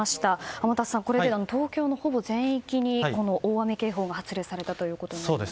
天達さん、これで東京のほぼ全域に大雨警報が発令されたことになりますね。